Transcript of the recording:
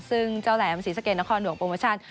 ซึ่งเจ้าแหลมศรีสะเกียรตินครดวงโปรโมชาติ